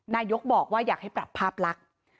นายกบอกว่าอยากให้ปรับภาพลักษณ์